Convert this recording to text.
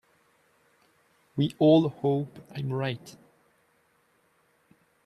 We all hope I am right.